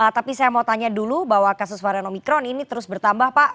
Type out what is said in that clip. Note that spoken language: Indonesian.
tapi saya mau tanya dulu bahwa kasus varian omikron ini terus bertambah pak